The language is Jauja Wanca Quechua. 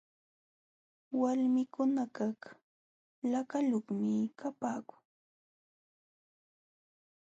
Walmikunakaq lakayuqmi kapaakun.